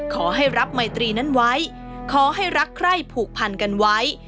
ขอให้รับไมตรีนั้นไว้ขอให้รักใคร่ผูกพันกันไว้